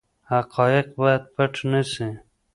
حقایق باید پټ نه سي.